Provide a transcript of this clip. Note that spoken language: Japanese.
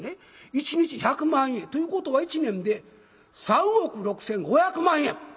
一日１００万円。ということは一年で３億６，５００万円。